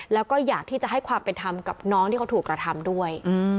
แล้วก็อยากที่จะให้ความเป็นธรรมกับน้องที่เขาถูกกระทำด้วย